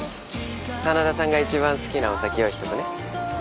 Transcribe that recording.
真田さんが一番好きなお酒用意しておくね。